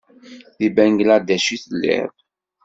Di Bangladec i telliḍ?